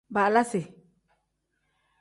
Baalasi.